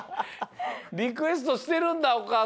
リクエストしてるんだおかあさんも。